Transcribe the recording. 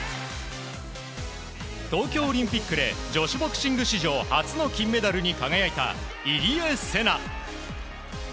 東京オリンピックで女子ボクシング史上初の金メダルに輝いた入江聖奈。